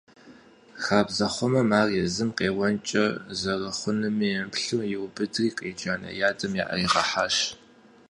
Хабзэхъумэм, ар езым къеуэнкӀэ зэрыхъунуми емыплъу, иубыдри, къриджа нарядым яӀэригъэхьащ.